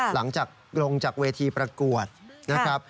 หลังจากลงจากเวทีประกวดนะครับ